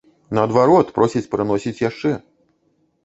Наадварот, просяць прыносіць яшчэ!